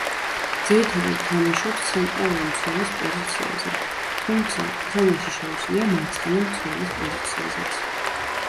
ძირითადად თამაშობს ცენტრალური მცველის პოზიციაზე, თუმცა თამაში შეუძლია მარცხენა მცველის პოზიციაზეც.